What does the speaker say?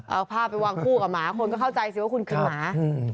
เอาผ้าไปวางคู่กับหมาคนก็เข้าใจสิว่าคุณคือหมา